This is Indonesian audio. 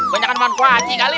banyak yang mau manfaat sih kali